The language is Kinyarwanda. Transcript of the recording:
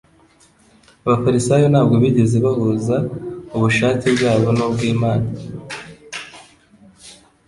Abafarisayo ntabwo bigeze bahuza ubushake bwabo n'ubw'Imana.